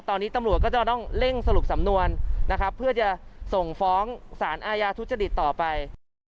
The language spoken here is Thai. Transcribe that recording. ตอนนี้ตำรวจก็จะต้องเร่งสรุปสำนวนนะครับเพื่อจะส่งฟ้องสารอาญาทุจริตต่อไป